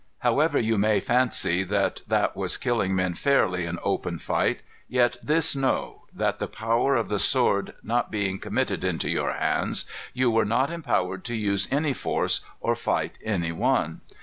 "However you may fancy that that was killing men fairly in open fight, yet this know, that the power of the sword not being committed into your hands, you were not empowered to use any force, or fight any one.